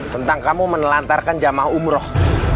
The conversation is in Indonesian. tentang kamu menelantarkan jamaah umroh